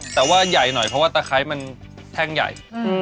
แต่ว่าใหญ่หน่อยเพราะว่าตะไคร้มันแท่งใหญ่